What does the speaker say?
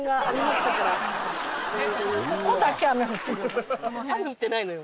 雨降ってないのよ。